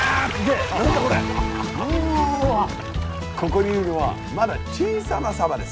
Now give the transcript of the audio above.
ここにいるのはまだ小さなサバです。